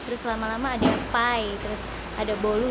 terus lama lama ada pie terus ada bolu